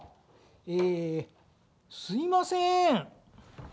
えすいません。